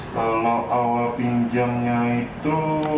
kalau awal pinjamnya itu